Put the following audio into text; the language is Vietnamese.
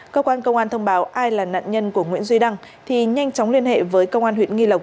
cơ quan công an thông báo ai là nạn nhân của nguyễn duy đăng thì nhanh chóng liên hệ với công an huyện nghi lộc